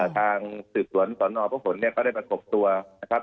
ทางสื่อส่วนสอนนพเนี่ยก็ได้มากรบตัวนะครับ